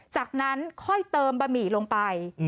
จากนั้นค่อยเติมบะหมี่ลงไป